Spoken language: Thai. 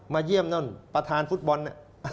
เยี่ยมนั่นประธานฟุตบอลน่ะ